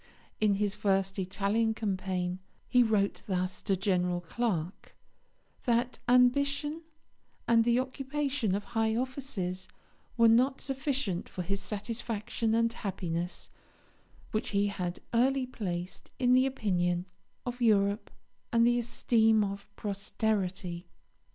In his first Italian campaign he wrote thus to General Clarke: "That ambition and the occupation of high offices were not sufficient for his satisfaction and happiness, which he had early placed in the opinion of Europe and the esteem of posterity."